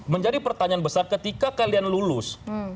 menjadi pertanyaan besar ketika kalian lulus